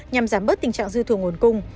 nhằm giảm bớt tình trạng dư thường nguồn cung